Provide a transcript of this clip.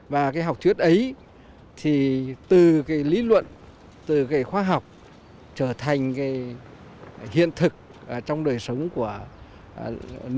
và cái học thuyết ấy thì từ cái lý luận từ cái khoa học trở thành cái hiện thực trong đời sống của nhân dân